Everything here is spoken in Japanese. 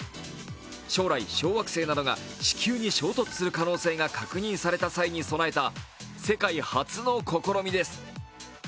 将来、小惑星などが地球に衝突する可能性が確認された際に備えた世界初の試みです。